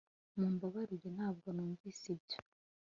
mumbabarire, ntabwo numvise ibyo